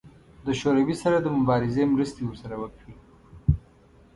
د شوروي سره د مبارزې مرستې ورسره وکړي.